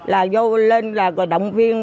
là vô lên là động viên